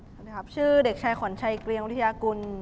สวัสดีครับชื่อเด็กชายขวัญชัยเกรียงวิทยากุล